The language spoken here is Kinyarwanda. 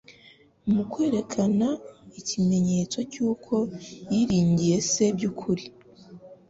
Mu kwerekana ikimenyetso cy'uko yiringiye Se by'ukuri,